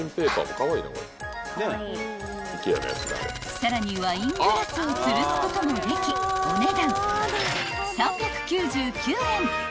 ［さらにワイングラスをつるすこともできお値段］